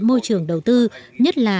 môi trường đầu tư nhất là